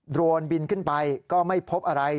โรนบินขึ้นไปก็ไม่พบอะไร